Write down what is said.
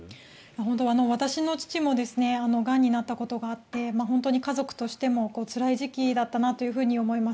本当に私の父もがんになったことがあって本当に家族としてもつらい時期だったなというふうに思います。